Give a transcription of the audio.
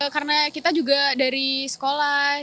karena kita juga dari sekolah